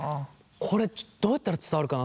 これどうやったら伝わるかな。